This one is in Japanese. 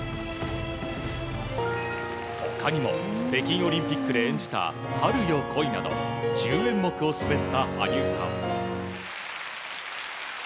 他にも北京オリンピックで演じた「春よ、来い」など１０演目を滑った羽生さん。